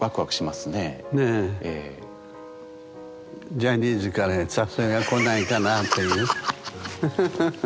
ジャニーズから誘いが来ないかなっていう？